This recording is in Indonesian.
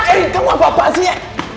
erin kamu apa apa sih